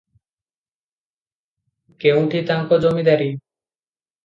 କେଉଁଠି ତାଙ୍କ ଜମିଦାରୀ?